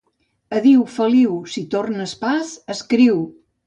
Adiu, Feliu! Si tornes pas, escriu!